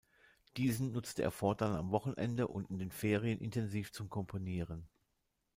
Diesen nutzte er fortan am Wochenende und in den Ferien intensiv zum Komponieren.